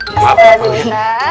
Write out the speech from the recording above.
salamualaikum ustadz musa